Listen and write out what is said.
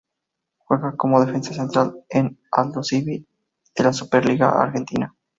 Juega como defensa central en Aldosivi de la Superliga Argentina.